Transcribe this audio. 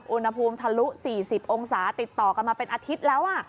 อุณหภูมิทะลุ๔๐องศาติดต่อกันมาเป็นอาทิตย์แล้ว